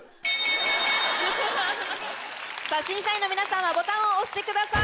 審査員の皆さんはボタンを押してください。